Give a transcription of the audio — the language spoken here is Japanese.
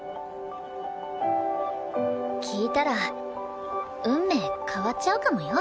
聞いたら運命変わっちゃうかもよ？